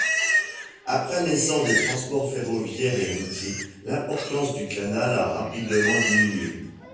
Après l'essor des transports ferroviaires et routiers, l'importance du canal a rapidement diminué.